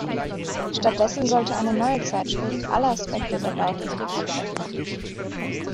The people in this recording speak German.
Stattdessen sollte eine neue Zeitschrift alle Aspekte der Bautechnik abdecken.